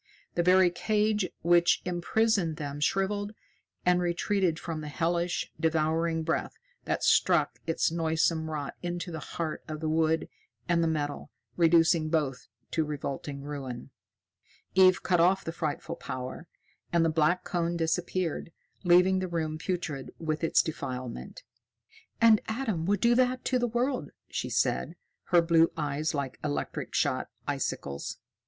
The very cage which imprisoned them shriveled and retreated from the hellish, devouring breath that struck its noisome rot into the heart of the wood and the metal, reducing both to revolting ruin. Eve cut off the frightful power, and the black cone disappeared, leaving the room putrid with its defilement. "And Adam would do that to the world," she said, her blue eyes like electric shot icicles.